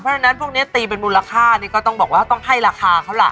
เพราะฉะนั้นพวกนี้ตีเป็นมูลค่านี่ก็ต้องบอกว่าต้องให้ราคาเขาล่ะ